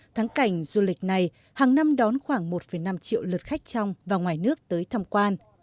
tháng cảnh du lịch này hàng năm đón khoảng một năm triệu lượt khách trong và ngoài nước tới thăm quan